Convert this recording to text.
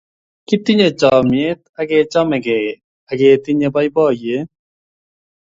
kitinye chamiet ak kechamegei ake tinye baibaiet